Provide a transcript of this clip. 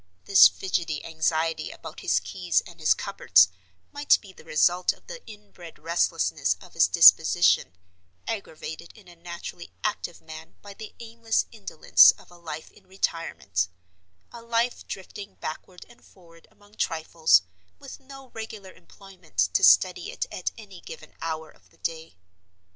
This fidgety anxiety about his keys and his cupboards might be the result of the inbred restlessness of his disposition, aggravated in a naturally active man by the aimless indolence of a life in retirement—a life drifting backward and forward among trifles, with no regular employment to steady it at any given hour of the day.